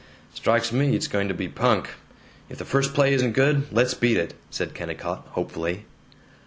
"Strikes me it's going to be punk. If the first play isn't good, let's beat it," said Kennicott hopefully.